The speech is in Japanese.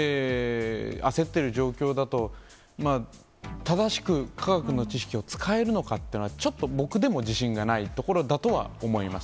焦っている状況だと、正しく科学の知識を使えるのかっていうのは、ちょっと僕でも自信がないところだとは思います。